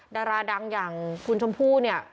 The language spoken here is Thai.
ดาราดังอย่างคุณชมพู่เนี่ย